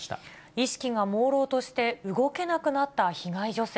意識がもうろうとして、動けなくなった被害女性。